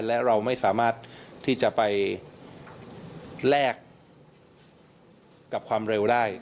และเราไม่สามารถที่จะไปแลกกับความเร็วได้